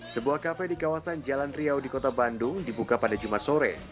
sebuah kafe di kawasan jalan riau di kota bandung dibuka pada jumat sore